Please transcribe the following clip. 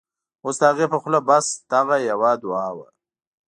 اوس د هغې په خوله بس، دغه یوه دعاوه